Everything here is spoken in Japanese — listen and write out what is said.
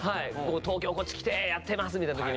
東京こっち来てやってますみたいな時に。